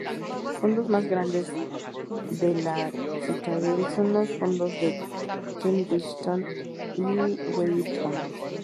Fondos más grandes de la Citadel son los fondos de Kensington y Wellington.